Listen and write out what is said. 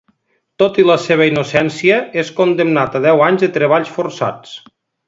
Tot i la seva innocència, és condemnat a deu anys de treballs forçats.